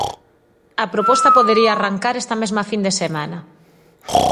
A proposta podería arrancar esta mesma fin de semana.